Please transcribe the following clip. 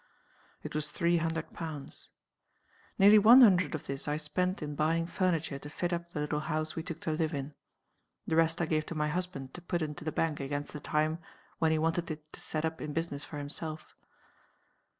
It was three hundred pounds. Nearly one hundred of this I spent in buying furniture to fit up the little house we took to live in. The rest I gave to my husband to put into the bank against the time when he wanted it to set up in business for himself.